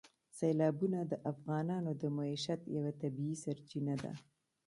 سیلابونه د افغانانو د معیشت یوه طبیعي سرچینه ده.